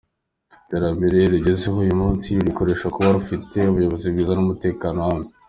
Iterambere rugezeho uyu munsi rurikesha kuba rufite Ubuyobozi bwiza n’umutekano uhamye.